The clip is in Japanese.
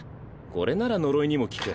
これなら呪いにも効く。